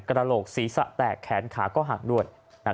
กระโหลกศีรษะแตกแขนขาก็หักด้วย